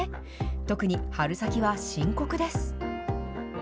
特に春先は深刻です。